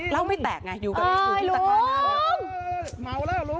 เล่าไม่แตกไงอยู่กับอุ้งที่ตะกาล้า